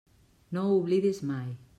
No ho oblidis mai.